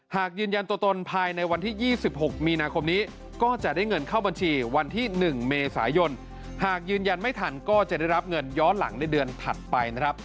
หากยืนยันตัวตนภายในวันที่๒๖มีนาคมนี้ก็จะได้เงินเข้าบัญชีวันที่๑เมษายนหากยืนยันไม่ทันก็จะได้รับเงินย้อนหลังในเดือนถัดไปนะครับ